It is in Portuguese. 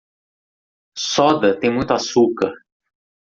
Soda tem muito açúcar.